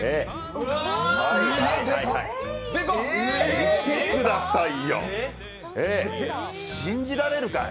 見てくださいよ、信じられるかい？